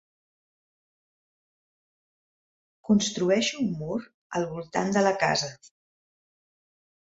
Construeixo un mur al voltant de la casa.